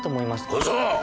小僧！